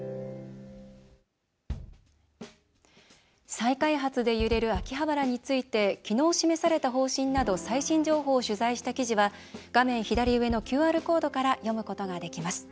再開発で揺れる秋葉原について昨日、示された方針など最新情報を取材した記事は画面左上のＱＲコードから読むことができます。